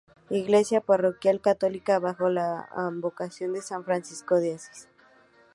Iglesia parroquial católica bajo la advocación de San Francisco de Asís.